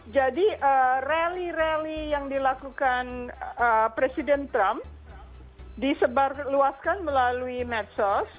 jadi rally rally yang dilakukan presiden trump disebarluaskan melalui medsos